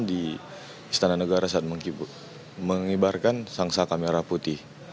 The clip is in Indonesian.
di setanan negara saat mengibarkan sang merah putih